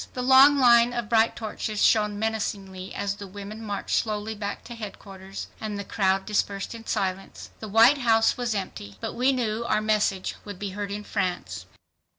The long line of bright torches shone menacingly as the women marched slowly back to headquarters, and the crowd dispersed in silence. The White House was empty. But we knew our message would be heard in France.